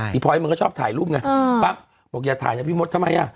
พลอยมันก็ชอบถ่ายรูปไงปั๊บบอกอย่าถ่ายนะพี่มดทำไมอ่ะ